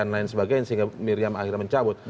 lain sebagainya sehingga miriam akhirnya mencabut